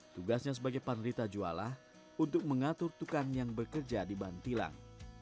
tugasnya sebagai pan rita jualah untuk mengatur tukang yang bekerja di bantilan